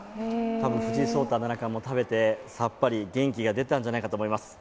藤井聡太七冠も食べてさっぱり、元気が出たんじゃないかと思います。